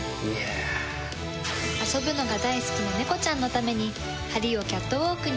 遊ぶのが大好きな猫ちゃんのために。